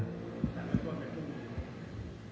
แต่รับกรรมไปคือไหน